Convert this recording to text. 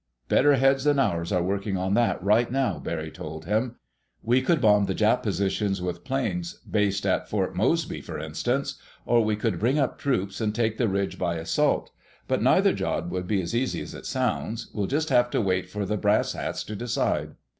"Better heads than ours are working on that right now," Barry told him. "We could bomb the Jap positions with planes based at Port Moresby, for instance. Or we could bring up troops and take the ridge by assault. But neither job would be as easy as it sounds. We'll just have to wait for the brass hats to decide."